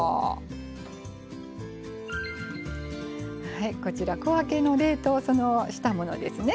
はいこちら小分けの冷凍したものですね。